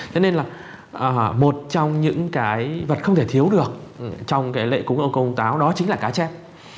thế nên là một trong những cái vật không thể thiếu được trong cái lễ cúng ông công táo đó chính là cá chép